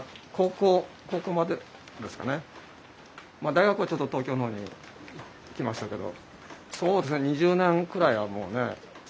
大学はちょっと東京のほうに行きましたけど。